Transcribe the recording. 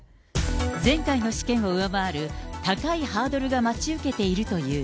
前回の試験を上回る、高いハードルが待ち受けているという。